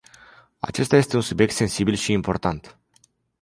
Acesta este un subiect sensibil și important.